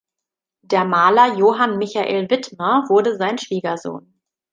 Der Maler Johann Michael Wittmer wurde sein Schwiegersohn.